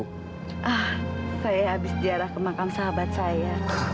ah saya habis ziarah kemakam sahabat saya